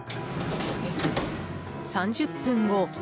３０分後